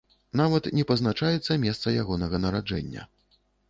Нават не пазначаецца месца ягонага нараджэння.